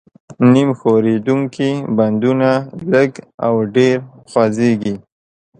نیم ښورېدونکي بندونه لږ او ډېر خوځېږي.